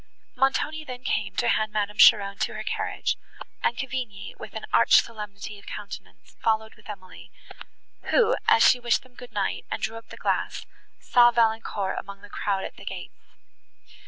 Montoni then came to hand Madame Cheron to her carriage, and Cavigni, with an arch solemnity of countenance, followed with Emily, who, as she wished them good night, and drew up the glass, saw Valancourt among the crowd at the gates.